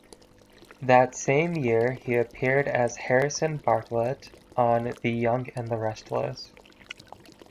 That same year he appeared as Harrison Bartlett on "The Young and the Restless".